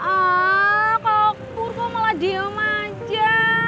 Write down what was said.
aaaa kakak pur kok malah diam aja